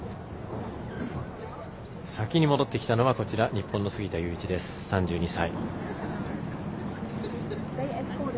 先に戻ってきたのは日本の杉田祐一です、３２歳。